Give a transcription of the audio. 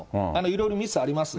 いろいろミスあります。